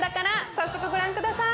早速ご覧下さい。